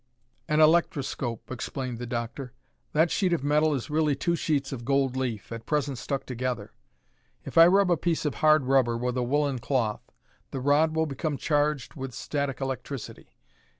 "An electroscope," explained the doctor. "That sheet of metal is really two sheets of gold leaf, at present stuck together. If I rub a piece of hard rubber with a woolen cloth, the rod will become charged with static electricity.